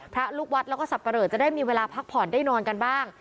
พระลูกวัดแล้วก็สับปะเหลอจะได้มีเวลาพักผ่อนได้นอนกันบ้าง